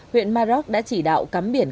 huyện madrak đã chỉ đạo cắm biển